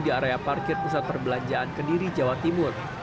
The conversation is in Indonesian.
di area parkir pusat perbelanjaan kediri jawa timur